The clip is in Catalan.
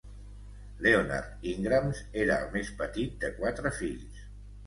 Leonard Ingrams era el més petit de quatre fills.